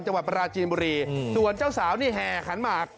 จังหวัดปราจีนบุรีส่วนเจ้าสาวนี่แห่ขันหมาก